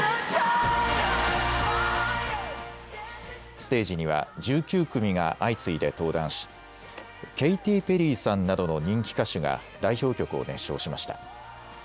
ステージには１９組が相次いで登壇しケイティ・ペリーさんなどの人気歌手が代表曲を熱唱しました。